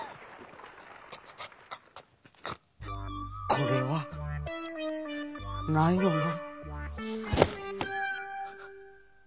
「これ」はないよな。